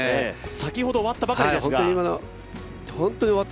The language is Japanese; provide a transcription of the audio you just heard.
先ほど終わったばかりですか。